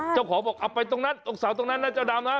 เจ้าของบอกเอาไปตรงนั้นตรงเสาตรงนั้นนะเจ้าดำนะ